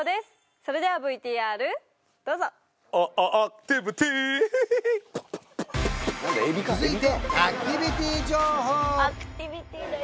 それではＶＴＲどうぞアアアクティビティ続いてアクティビティ情報！